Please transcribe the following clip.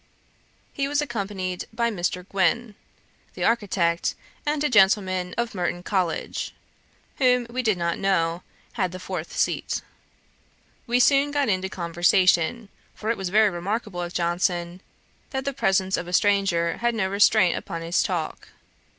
He was accompanied by Mr. Gwyn, the architect; and a gentleman of Merton College, whom we did not know, had the fourth seat. We soon got into conversation; for it was very remarkable of Johnson, that the presence of a stranger had no restraint upon his talk.